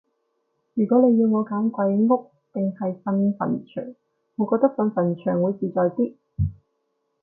如果你要我揀鬼屋定係瞓墳場，我覺得瞓墳場會自在啲